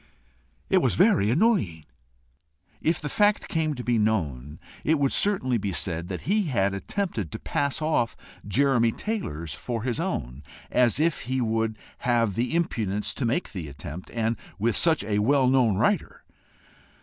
It was very annoying. If the fact came to be known, it would certainly be said that he had attempted to pass off Jeremy Taylor's for his own as if he would have the impudence to make the attempt, and with such a well known writer!